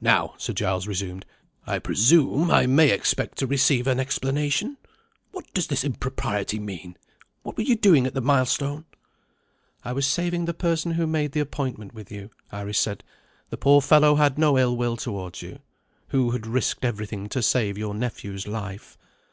"Now," Sir Giles resumed, "I presume I may expect to receive an explanation. What does this impropriety mean? What were you doing at the milestone?" "I was saving the person who made the appointment with you," Iris said; "the poor fellow had no ill will towards you who had risked everything to save your nephew's life.